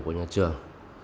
của nhà trường